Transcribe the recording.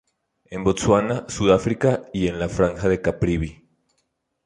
En Botsuana, Sudáfrica y en la Franja de Caprivi.